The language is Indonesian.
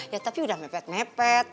ya tapi udah mepet mepet